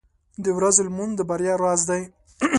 • د ورځې لمونځ د بریا راز دی.